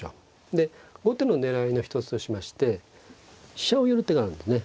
で後手の狙いの一つとしまして飛車を寄る手があるんですね。